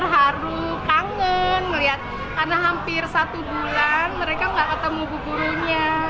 karena hampir satu bulan mereka nggak ketemu bu gurunya